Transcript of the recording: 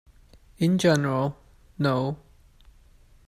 In general, no.